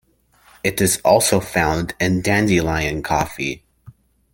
It is also found in dandelion coffee.